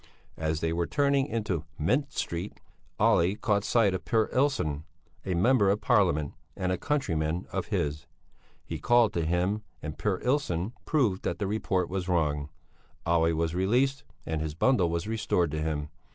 As they were turning into Mint Street, Olle caught sight of Per Illson, a member of Parliament and a countryman of his. He called to him, and Per Illson proved that the report was wrong. Olle was released and his bundle was restored to him.